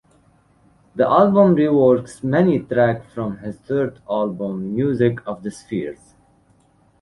The album reworks many tracks from his third album, "Music of the Spheres".